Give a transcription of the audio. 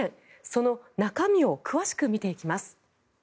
その中身を詳しく見ていきます。